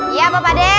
iya pak pade